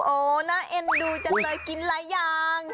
โอ๊ะน่าเอ็นดูจะเลยกินอะไรอย่าง